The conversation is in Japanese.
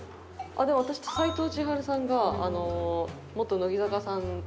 でも私斎藤ちはるさんが元乃木坂さんで。